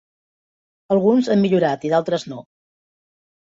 Alguns han millorat i d'altres no.